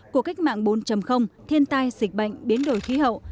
của cách mạng bốn thiên tai dịch bệnh biến đổi khí hậu